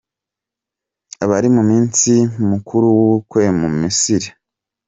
Abari mu munsi mukuru w’ubukwe mu Misiri.